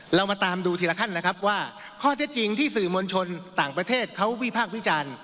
เรามาตามดูทีละขั้นนะครับว่าข้อเท็จจริงที่สื่อมวลชนต่างประเทศเขาวิพากษ์วิจารณ์